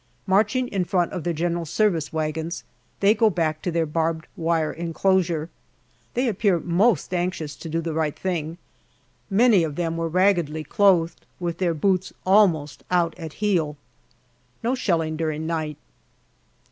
Marching in front of their G.S. wagons, they go back to their barbed wire enclosure. They appeared most anxious to do the right thing. Many of them were raggedly clothed, with their boots almost out at heel. No shelling during night.